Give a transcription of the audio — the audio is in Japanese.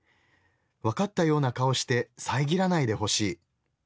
分かったような顔して遮らないでほしい。